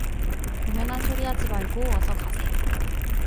공연한 소리 하지 말고 어서 가세.